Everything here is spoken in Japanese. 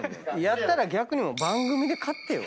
やったら逆に。